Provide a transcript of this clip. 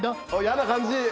嫌な感じ。